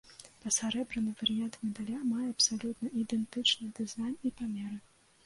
Пасярэбраны варыянт медаля мае абсалютна ідэнтычны дызайн і памеры.